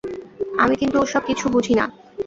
আমি কিন্তু ও-সব কিছু বুঝি না।